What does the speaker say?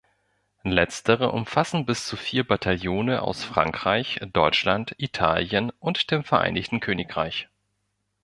Letztere umfassen bis zu vier Bataillone aus Frankreich, Deutschland, Italien und dem Vereinigten Königreich.